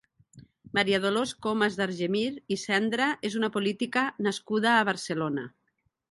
Maria Dolors Comas d'Argemir i Cendra és una política nascuda a Barcelona.